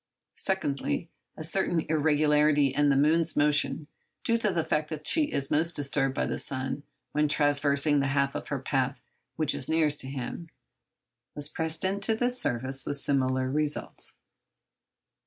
Secondly, a certain irregularity in the moon's motion, due to the fact that she is most disturbed by the sun when traversing that half of her path which is nearest to him, was pressed into the service with similar results.